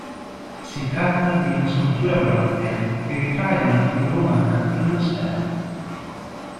Si tratta di una scultura bronzea che ritrae una figura umana in una sfera.